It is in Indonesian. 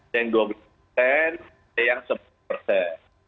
yang dua persen yang sepuluh persen